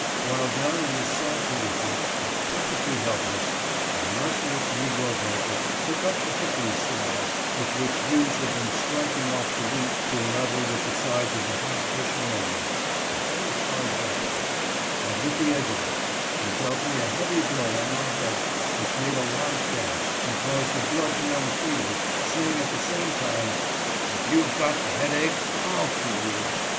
While down in this sad condition, and perfectly helpless, the merciless negro breaker took up the hickory slab with which Hughes had been striking off the wheat to a level with the sides of the half bushel measure, (a very hard weapon), and, with the edge of it, he dealt me a heavy blow on my 158 BLOOD LETTING BENEFICIAL. head which made a large gash, and. caused the blood to run freely, saying at the same time, " If you have got the headache I'll cure you."